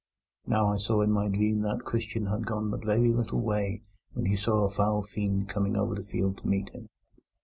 "Now I saw in my dream that Christian had gone but a very little way when he saw a foul fiend coming over the field to meet him."